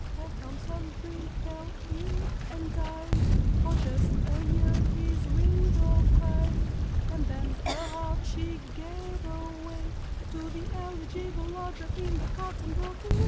Well, THOMSON GREEN fell ill and died; For just a year his widow cried, And then her heart she gave away To the eligible lodger in the cotton broking way.